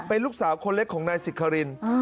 เป็นลูกสาวคนเล็กของนายสิคริน